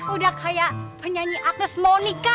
udah kayak penyanyi agnes monica